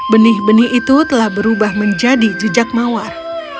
benih benih itu telah berubah menjadi jejak mawar